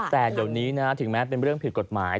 แต่เดี๋ยวนี้นะถึงแม้เป็นเรื่องผิดกฎหมาย